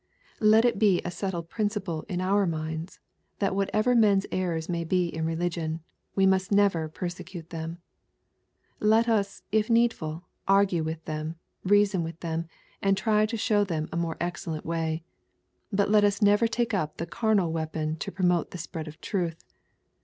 Let it be a settled principle in our minds, that what ever men*s errors may bo in religion, we must never persecute them. Let us, if needful, argue with them, reason with them, and try to show them a more excellent way. But let us never take up the " camaF' weapon to promote the spread of truth.